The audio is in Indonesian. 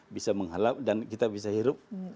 bisa menghalau dan kita bisa hirup